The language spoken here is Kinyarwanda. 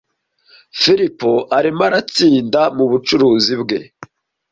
Philip arimo aratsinda mubucuruzi bwe.